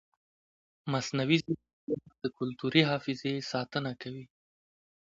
مصنوعي ځیرکتیا د کلتوري حافظې ساتنه کوي.